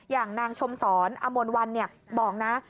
อย่างนางชมสอนอมลวันบอกนะ